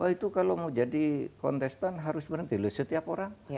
itu kalau mau jadi kontestan harus berhenti loh setiap orang